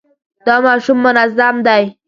دا ماشوم منظم دی.